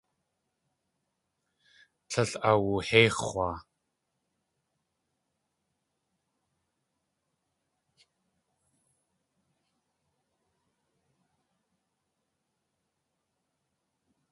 Tlél awuhéix̲waa.